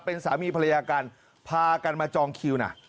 เป็นสามีภรรยากันพากันมาจองคิวนะ